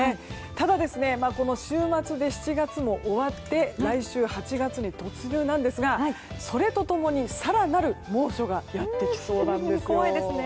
ただ、この週末で７月も終わって来週、８月に突入なんですがそれと共に更なる猛暑がやってきそうなんです。